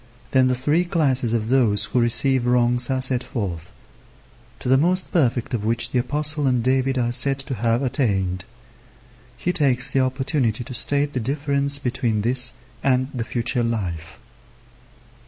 Then the three classes of those who receive wrongs are set forth; to the most perfect of which the Apostle and David are said to have attained. He takes the opportunity to state the difference between this and the future life.